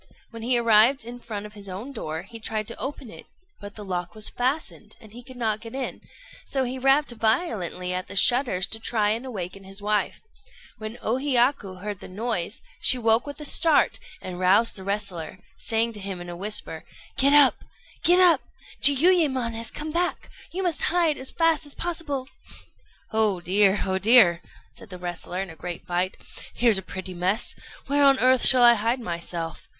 When he arrived in front of his own door, he tried to open it; but the lock was fastened, and he could not get in, so he rapped violently at the shutters to try and awaken his wife. When O Hiyaku heard the noise, she woke with a start, and roused the wrestler, saying to him in a whisper "Get up! get up! Jiuyémon has come back. You must hide as fast as possible." "Oh dear! oh dear!" said the wrestler, in a great fright; "here's a pretty mess! Where on earth shall I hide myself?"